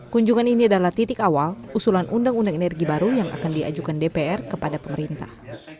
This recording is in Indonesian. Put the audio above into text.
kunjungan ini adalah titik awal usulan undang undang energi baru yang akan diajukan dpr kepada pemerintah